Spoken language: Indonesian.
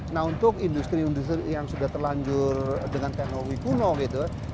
nah untuk industri industri yang sudah terlanjur dengan teknologi kuno gitu